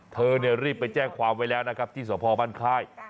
เธอรีบไปแจ้งความไว้แล้วนะครับที่สพบ้านค่าย